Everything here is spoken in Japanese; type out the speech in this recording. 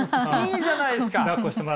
いいじゃないですか！